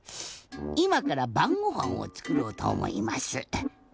いまからばんごはんをつくろうとおもいます。